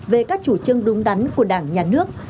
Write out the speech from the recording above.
về các chủ trương đúng đắn của đảng nhà nước